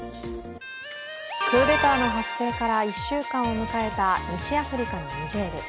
クーデターの発生から１週間を迎えた西アフリカのニジェール。